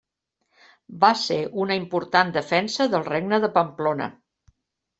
Va ser una important defensa del regne de Pamplona.